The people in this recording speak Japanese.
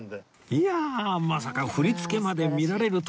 いやあまさか振り付けまで見られるとは